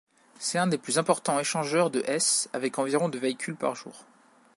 C'est un des plus importants échangeurs de Hesse avec environ de véhicules par jour.